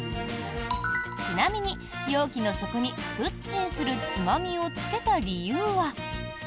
ちなみに容器の底にプッチンするつまみをつけた理由は？